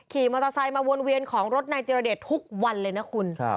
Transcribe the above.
ขี่มอเตอร์ไซค์มาวนเวียนของรถนายจิรเดชทุกวันเลยนะคุณ